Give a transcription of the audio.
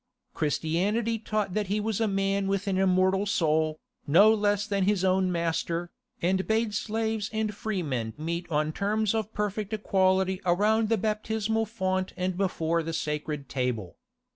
Christianity taught that he was a man with an immortal soul, no less than his own master, and bade slaves and freemen meet on terms of perfect equality around the baptismal font and before the sacred table.